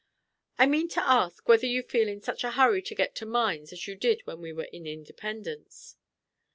"I mean to ask whether you feel in such a hurry to get to mines as you did when we were in Independence?"